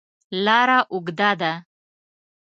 لاره اوږده ده.